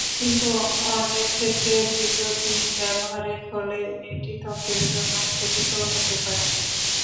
কিন্তু অনেক ক্ষেত্রে দীর্ঘদিন ব্যবহারের ফলে এটি ত্বকের জন্য ক্ষতিকর হতে পারে।